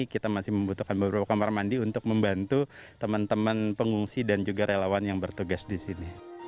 kita masih membutuhkan beberapa kamar mandi untuk membantu teman teman pengungsi dan juga relawan yang bertugas di sini